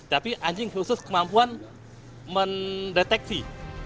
tapi anjing khusus kemampuan mendeteksi